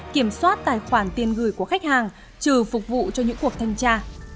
kiểm soát tài khoản tiền gửi của khách hàng trừ phục vụ cho những cuộc thanh tra